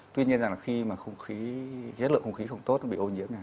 tuy nhiên là khi mà không khí giết lượng không khí không tốt bị ô nhiễm